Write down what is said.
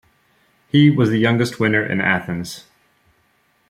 He was the youngest winner in Athens.